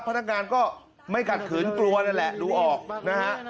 พนักงานก็ไม่ขัดขืนกลัวนั่นแหละดูออกนะฮะ